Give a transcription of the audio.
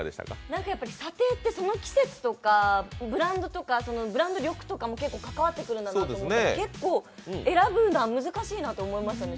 査定ってその季節とか、ブランドとか、ブランド力とかも結構関わってくると思ったら、結構選ぶんだ、難しいなと思いました。